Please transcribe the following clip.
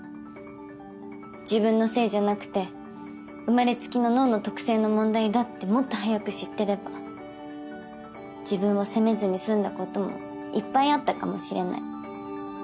自分のせいじゃなくて生まれつきの脳の特性の問題だってもっと早く知ってれば自分を責めずに済んだこともいっぱいあったかもしれない。